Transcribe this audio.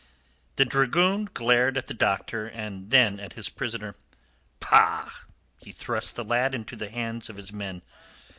The dragoon glared at the doctor and then at his prisoner. "Pah!" He thrust the lad into the hands of his men.